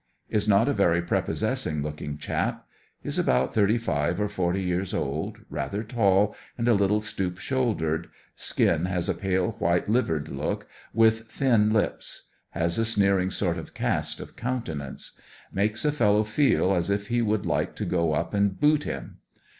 Is not a very prepossessing looking chap. Is about thirty five or forty years old, rather tall, and a little stoop shouldered; skin has a pale, white livered look, with thin lips. Has a sneering sort of cast of countenance. Makes a fellow feel as if he would like to go up and boot him.